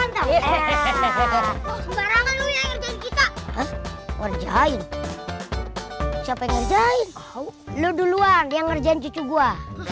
ngertiin aja nyampe kita kerjain capek jahit lu duluan yang ngerjain cucu gua